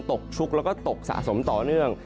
ชุกแล้วก็ตกสะสมต่อเนื่อง